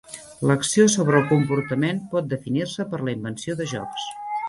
L'acció sobre el comportament pot definir-se per la invenció de jocs.